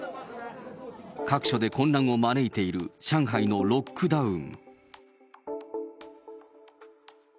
各所で混乱を招いている上海のロックダウン。